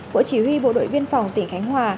bộ chỉ huy bộ đội biên phòng tỉnh khánh hòa